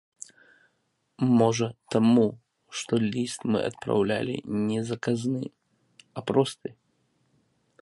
Можа таму, што ліст мы адпраўлялі не заказны, а просты.